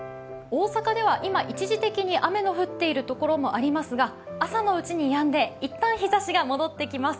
大阪では今、一時的に雨の降っているところもありますが朝のうちにやんで一旦日ざしが戻ってきます。